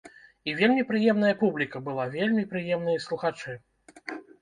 І вельмі прыемная публіка была, вельмі прыемныя слухачы.